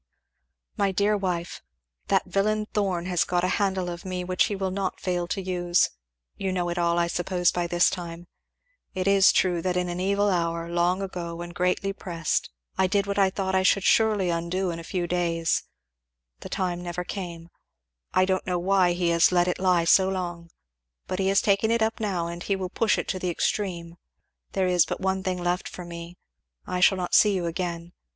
"My Dear Wife, "That villain Thorn has got a handle of me which he will not fail to use you know it all I suppose, by this time It is true that in an evil hour, long ago, when greatly pressed, I did what I thought I should surely undo in a few days The time never came I don't know why he has let it lie so long, but he has taken it up now, and he will push it to the extreme There is but one thing left for me I shall not see you again.